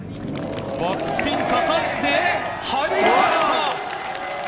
バックスピンかかって、入りました！